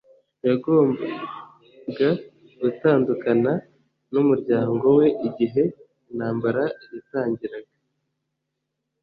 Yagombaga gutandukana numuryango we igihe intambara yatangiraga